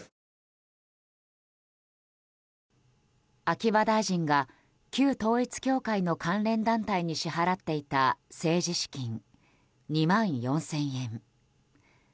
秋葉大臣が旧統一教会の関連団体に支払っていた政治資金２万４０００円。